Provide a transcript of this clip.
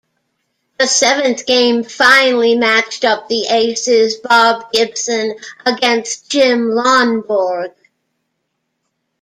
The seventh game finally matched up the aces, Bob Gibson against Jim Lonborg.